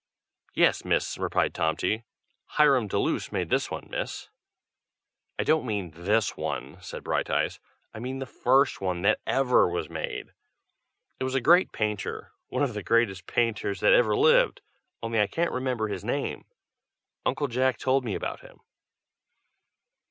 "Yes miss," replied Tomty. "Hiram Deluce made this one, miss." "I don't mean this one," said Brighteyes. "I mean the first one that ever was made. It was a great painter, one of the greatest painters that ever lived, only I can't remember his name. Uncle Jack told me about him."